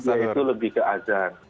tapi dia itu lebih ke azan